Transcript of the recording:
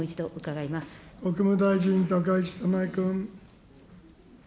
国務大臣、高市早苗君。